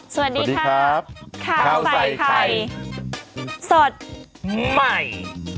สวัสดีครับข้าวใส่ไข่สดใหม่